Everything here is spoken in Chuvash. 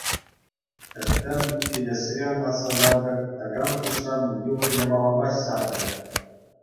Тӗттӗм кӗтесре ӑна сасартӑк такам пуҫран йывӑр япалапа ҫапрӗ.